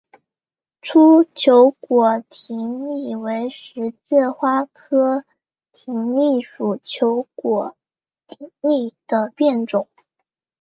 粗球果葶苈为十字花科葶苈属球果葶苈的变种。